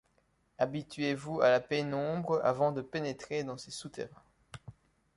Habituez vous a la pénombre avant de pénétrer dans ces souterrains.